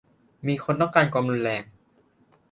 - มีคนต้องการความรุนแรง